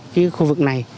cái khu vực này